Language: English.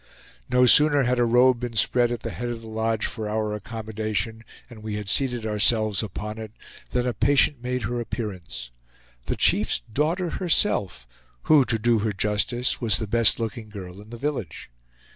No sooner had a robe been spread at the head of the lodge for our accommodation, and we had seated ourselves upon it, than a patient made her appearance; the chief's daughter herself, who, to do her justice, was the best looking girl in the village.